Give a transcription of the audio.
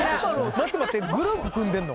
待って待ってグループ組んでんの？